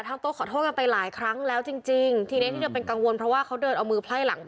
โต๊ขอโทษกันไปหลายครั้งแล้วจริงจริงทีนี้ที่เธอเป็นกังวลเพราะว่าเขาเดินเอามือไพ่หลังพ่อ